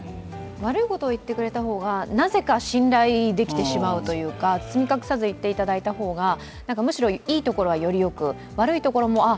悪いことを言ってくれた方がなぜか信頼できてしまうというか包み隠さず言っていただいた方がむしろいいところはよりよく悪いところも、ああ、